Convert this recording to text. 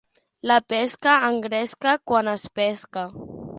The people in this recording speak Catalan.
La pesca engresca quan es pesca.